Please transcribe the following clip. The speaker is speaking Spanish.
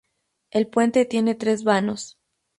El puente tiene tres vanos.